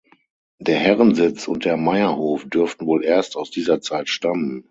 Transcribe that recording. Der Herrensitz und der Meierhof dürften wohl erst aus dieser Zeit stammen.